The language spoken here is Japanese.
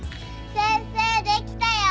先生できたよ！